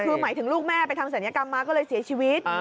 คือหมายถึงลูกแม่ไปทำศัลยกรรมมาก็เลยเสียชีวิต